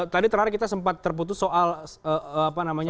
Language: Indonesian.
tadi terakhir kita sempat terputus soal apa namanya